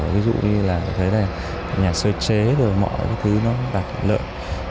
ví dụ như là thế này nhà sơ chế đồ mọi cái thứ nó đạt lợi